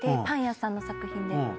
パン屋さんの作品で。